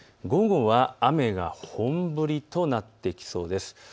午後は雨が本降りとなってきそうです。